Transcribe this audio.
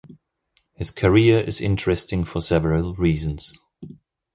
His career is interesting for several reasons.